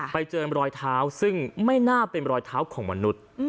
ไปเจอรอยเท้าซึ่งไม่น่าเป็นรอยเท้าของมนุษย์